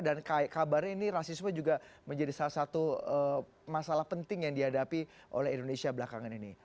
dan kabarnya ini rasisme juga menjadi salah satu masalah penting yang dihadapi oleh indonesia belakangan ini